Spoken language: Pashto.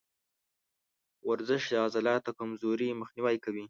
ورزش د عضلاتو کمزوري مخنیوی کوي.